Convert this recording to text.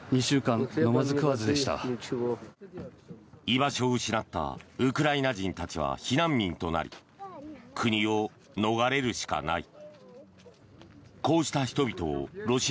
居場所を失ったウクライナ人たちは避難民となり国を逃れるしかない。